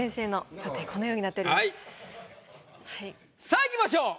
さあいきましょう。